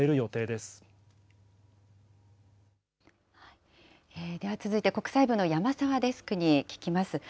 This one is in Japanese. では続いて、国際部の山澤デスクに聞きます。